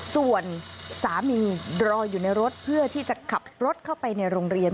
ส่วนสามีรออยู่ในรถเพื่อที่จะขับรถเข้าไปในโรงเรียน